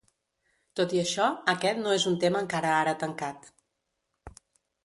Tot i això, aquest no és un tema encara ara tancat.